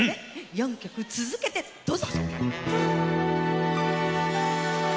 ４曲続けてどうぞ！